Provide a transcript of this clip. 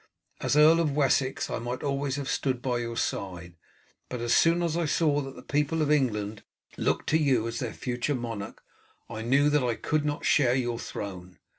As Earl of Wessex I might always have stood by your side, but as soon as I saw that the people of England looked to you as their future monarch, I knew that I could not share your throne.